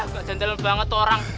gak jantel banget torang